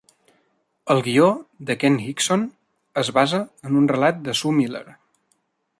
El guió de Ken Hixon es basa en un relat de Sue Miller.